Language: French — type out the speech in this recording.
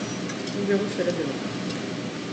Nous verrons cela demain.